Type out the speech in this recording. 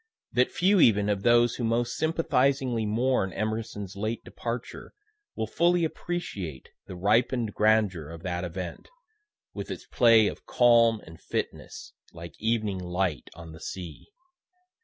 that few even of those who most sympathizingly mourn Emerson's late departure will fully appreciate the ripen'd grandeur of that event, with its play of calm and fitness, like evening light on the sea.